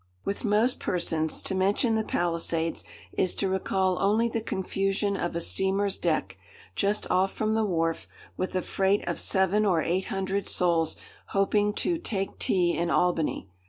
With most persons, to mention the Palisades is to recall only the confusion of a steamer's deck, just off from the wharf, with a freight of seven or eight hundred souls hoping to "take tea" in Albany.